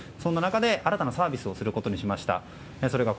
なので新たなサービスをすることにしました。